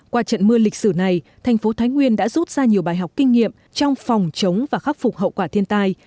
qua trận mưa lịch sử này thành phố thái nguyên đã rút ra nhiều bài học kinh nghiệm trong phòng chống và khắc phục hậu quả thiên tai